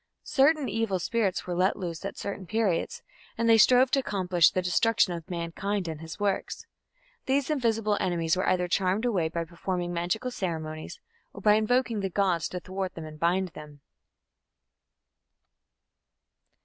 Certain evil spirits were let loose at certain periods, and they strove to accomplish the destruction of mankind and his works. These invisible enemies were either charmed away by performing magical ceremonies, or by invoking the gods to thwart them and bind them.